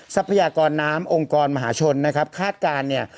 ทรัพยากรน้ำองค์กรมหาชนนะครับคาดการณ์เนี่ย